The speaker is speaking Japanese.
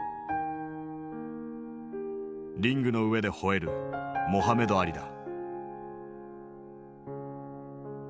リングの上でほえるモハメド・アリだ。